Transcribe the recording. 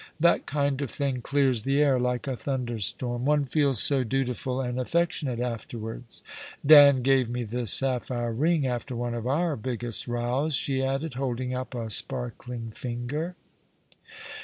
That kind of thing clears the air— like a thunderstorm. One feels so dutiful and affectionate afterwards. Dan gave me this sapphire ring after one of our biggest rows," she added, holding up a sparkling finger.